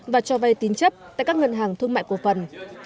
và cho vay tín chấp tại các ngân hàng thương mại cổ phần